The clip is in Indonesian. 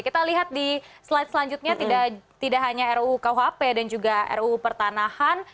kita lihat di slide selanjutnya tidak hanya ruu kuhp dan juga ruu pertanahan